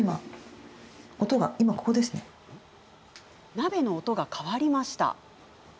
鍋の音が変わりました。